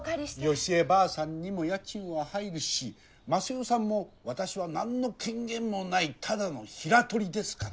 良枝ばあさんにも家賃は入るし益代さんも「私は何の権限もないただの平取ですから」